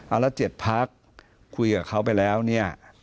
อันระเจ็ดพักคุยกับเขาไปแล้วเนี่ย